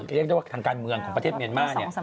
เรียกได้ว่าทางการเมืองของประเทศเมียนมาร์เนี่ย